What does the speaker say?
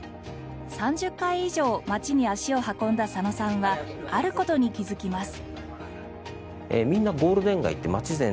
３０回以上街に足を運んだ佐野さんはある事に気づきます。